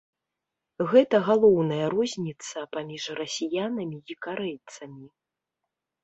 Гэта галоўная розніца паміж расіянамі і карэйцамі.